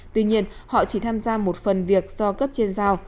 tuy nhiên họ chỉ tham gia một phần việc do cấp trên giao